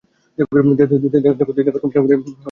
দেখ, তোমাদের মত আমি সৈনিক নই।